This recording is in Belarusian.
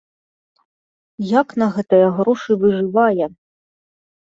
Як на гэтыя грошы выжывае?